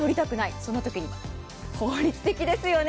そんなときに効率的ですよね。